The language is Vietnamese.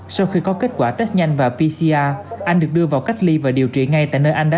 sau khi có kết quả test nhanh và pcr anh được đưa vào cách ly và điều trị ngay tại nơi anh đã